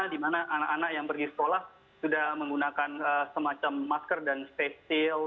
di mana anak anak yang pergi sekolah sudah menggunakan semacam masker dan face shield